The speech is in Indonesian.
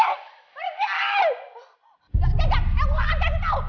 enggak enggak enggak aku gak akan kasih tau